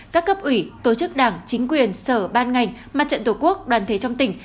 các cấp ủy tổ chức đảng chính quyền sở ban ngành mặt trận tổ quốc đoàn thể trong tỉnh